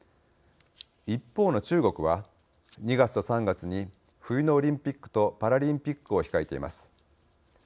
一方の中国は２月と３月に冬のオリンピックとパラリンピックを控えています。